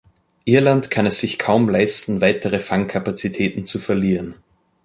Irland kann es sich kaum leisten, weitere Fangkapazitäten zu verlieren.